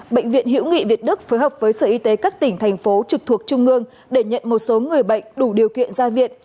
bệnh viện hiễu nghị việt đức phối hợp với sở y tế các tỉnh thành phố trực thuộc trung ương để nhận một số người bệnh đủ điều kiện ra viện